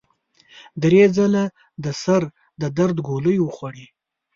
درې ځله د سر د درد ګولۍ وخوړې.